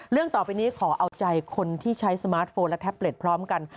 ต่อไปนี้ขอเอาใจคนที่ใช้สมาร์ทโฟนและแท็บเล็ตพร้อมกัน